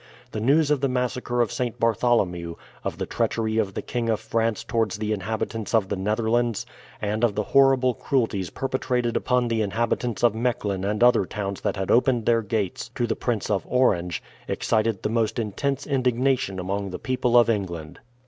The news of the massacre of St. Bartholomew, of the treachery of the King of France towards the inhabitants of the Netherlands, and of the horrible cruelties perpetrated upon the inhabitants of Mechlin and other towns that had opened their gates to the Prince of Orange, excited the most intense indignation among the people of England.